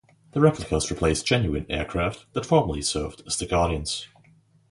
The replicas replaced genuine aircraft that formerly served as the guardians.